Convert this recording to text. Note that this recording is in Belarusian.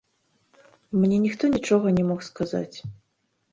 Мне ніхто нічога не мог сказаць.